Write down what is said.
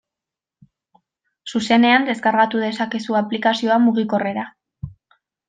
Zuzenean deskargatu dezakezu aplikazioa mugikorrera.